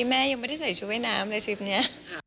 แม่ยังไม่ได้ใส่ชุดว่ายน้ำเลยทริปนี้